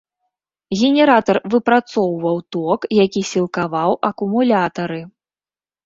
Генератар выпрацоўваў ток, які сілкаваў акумулятары.